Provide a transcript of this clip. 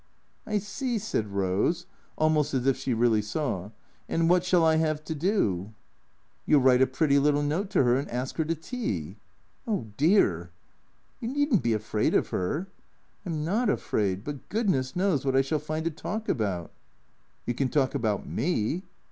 " I see," said Eose, almost as if she really saw. " And wot shall I 've to do ?"" You '11 write a pretty little note to her and ask her to tea." " Oh dear !"" You need n't be afraid of her." " I 'm not afraid ; but goodness knows what I shall find to talk about." " You can talk about me."